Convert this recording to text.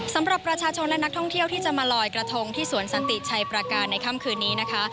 สำหรับประชาชนและนักท่องเที่ยวที่จะมาลอยกระทงที่สวนสันติชัยประการในค่ำคืนนี้นะคะ